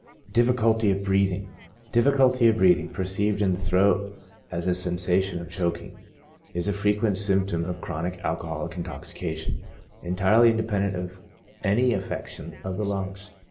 Difficulty of Breathing. — Difficulty of breathing, perceived in the throat as a sensation of choking. Is a frequent symp tom of chronic alcoholic Intoxication, entirely Independent of any affection of the lungs.